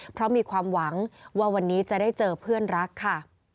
เพราะมีความหวังว่าวันนี้จะได้เจอเพื่อนรักค่ะ